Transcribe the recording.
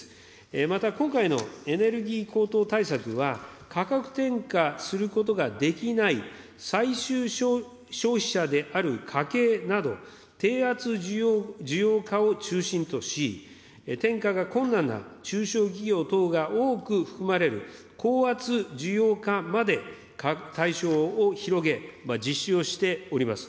また今回のエネルギー高騰対策は、価格転嫁することができない最終消費者である家計など、低圧需要家を中心とし、転嫁が困難な中小企業等が多く含まれる、高圧需要家まで対象を広げ、実施をしております。